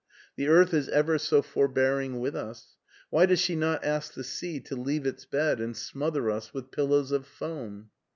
The earth is ever so forbearing with us. Why does she not ask the sea to leave its bed and smother us with pillows of foam?'